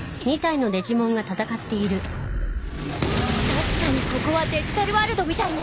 確かにここはデジタルワールドみたいね。